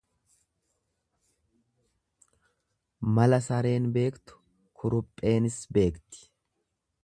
Mala sareen beektu kurupheenis beekti.